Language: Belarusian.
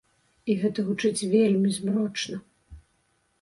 І гэта гучыць вельмі змрочна.